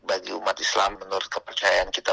bagi umat islam menurut kepercayaan kita